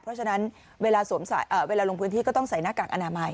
เพราะฉะนั้นเวลาลงพื้นที่ก็ต้องใส่หน้ากากอนามัย